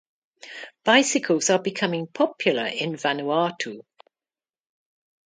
Bicycles are becoming popular in Vanuatu.